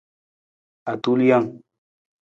Atulijang.